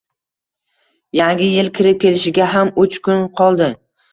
Yangi yil kirib kelishiga ham uch kun qoldi.